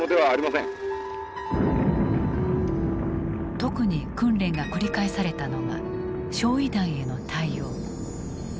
特に訓練が繰り返されたのが焼夷弾への対応。